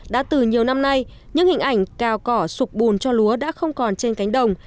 đã từ nhiều năm nay những hình ảnh cào cỏ sụp bùn cho lúa đã không còn trên cánh đồng